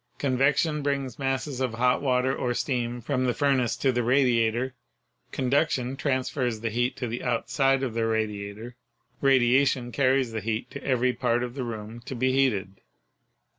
Convection brings masses of hot water or steam from the furnace to the radi ator. Conduction transfers the heat to the outside of the HEAT 59 radiator. Radiation carries the heat to every part of the room to be heated.